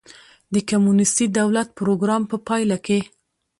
د کمونېستي دولت پروګرام په پایله کې.